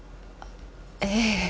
ええ。